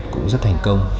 cũng rất thành công